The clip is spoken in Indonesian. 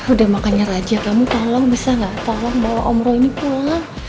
udah makanya raja kamu tolong bisa gak tolong bawa om roh ini pulang